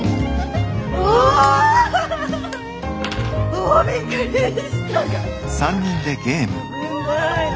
お！おびっくりした。